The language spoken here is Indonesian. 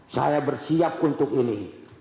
saya bersiap untuk ini